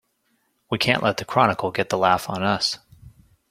We can't let the Chronicle get the laugh on us!